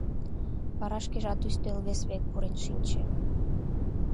Вара шкежат ӱстел вес век пурен шинче.